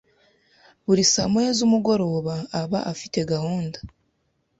Buri sa moya z’umugoroba aba afite gahunda